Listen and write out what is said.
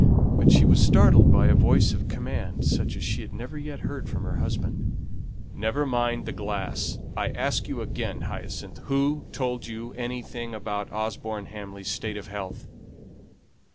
But she was startled by a voice of command, such as she had never yet heard from her husband. "Never mind the glass. I ask you again, Hyacinth, who told you anything about Osborne Hamley's state of health?"